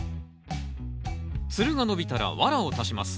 つるが伸びたらワラを足します。